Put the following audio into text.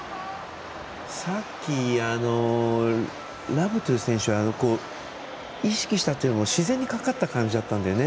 さっきラバトゥ選手は意識したというよりも自然にかかった感じだったんだよね。